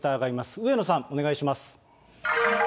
上野さん、お願いします。